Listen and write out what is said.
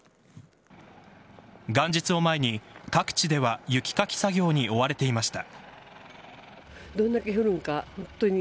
元日を前に、各地では雪かき作業に追われていました。